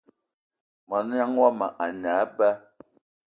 Mognan yomo a ne eba